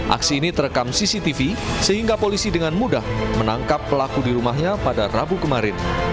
aksi ini terekam cctv sehingga polisi dengan mudah menangkap pelaku di rumahnya pada rabu kemarin